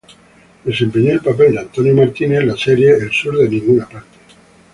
Desempeñó el papel de Spencer Carlin en la serie "South of nowhere".